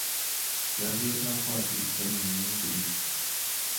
kiageer kapwotutie nyuu en dirisha